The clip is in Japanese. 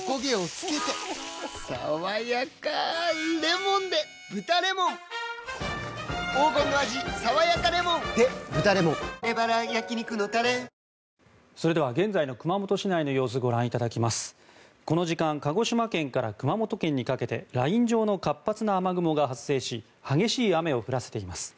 この時間鹿児島県から熊本県にかけてライン状の活発な雨雲が発生し激しい雨を降らせています。